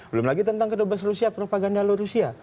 belum lagi tentang kedubes rusia propaganda lo rusia